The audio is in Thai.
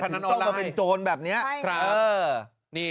ติดพะนันออนไลน์ติดต้องมาเป็นโจรแบบนี้